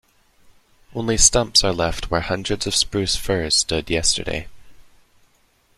Only stumps are left where hundreds of spruce firs stood yesterday.